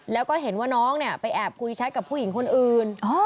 แล้วก็เห็นว่าน้องเนี่ยไปแอบคุยแชทกับผู้หญิงคนอื่น